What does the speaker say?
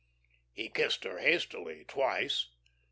He kissed her hastily twice.